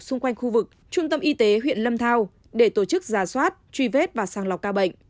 xung quanh khu vực trung tâm y tế huyện lâm thao để tổ chức giả soát truy vết và sàng lọc ca bệnh